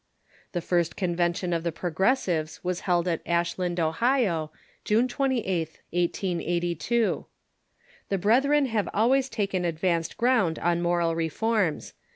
The first Convention of the Progressives was held at Ashland, Ohio, June 28th, 1882. The Brethren have always taken advanced ground on moral reforms.